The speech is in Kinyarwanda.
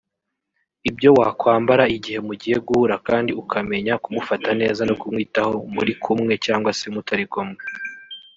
ibyo wakambara igihe mugiye guhura kandi ukamenya kumufata neza no kumwitaho muri kumwe cyangwa se mutari kumwe